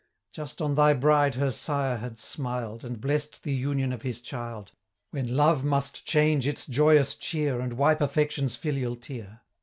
125 Just on thy bride her Sire had smiled, And bless'd the union of his child, When love must change its joyous cheer, And wipe affection's filial tear.